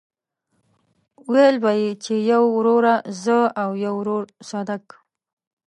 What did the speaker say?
ويل به يې چې يو ورور زه او يو ورور صدک.